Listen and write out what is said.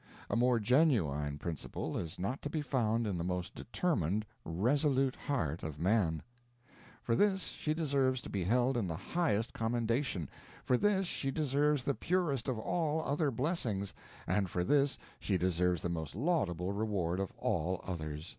A more genuine principle is not to be found in the most determined, resolute heart of man. For this she deserves to be held in the highest commendation, for this she deserves the purest of all other blessings, and for this she deserves the most laudable reward of all others.